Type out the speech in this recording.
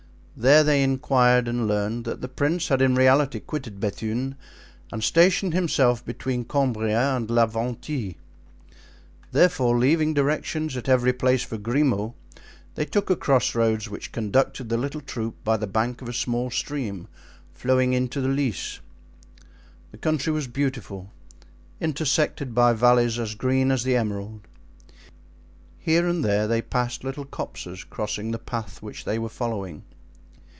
There they inquired and learned that the prince had in reality quitted Bethune and stationed himself between Cambria and La Venthie. Therefore, leaving directions at every place for Grimaud, they took a crossroad which conducted the little troop by the bank of a small stream flowing into the Lys. The country was beautiful, intersected by valleys as green as the emerald. Here and there they passed little copses crossing the path which they were following.